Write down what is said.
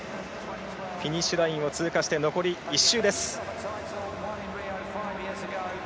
フィニッシュラインを通過して残り１周です。